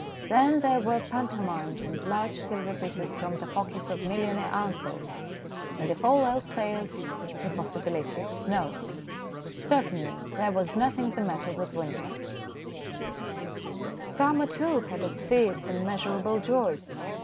Then there were pantomimes and large silver pieces from the pockets of millionaire uncles, and if all else failed> the possibility of snow, Certainly there was nothing the matter with winter. 5 * 9 50 THE DAY BEFORE YESTERDAY Summer, too, had its fierce, immeasurable joys.